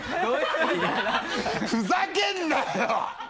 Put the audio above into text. ふざけるなよ！